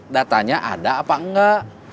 datanya ada apa enggak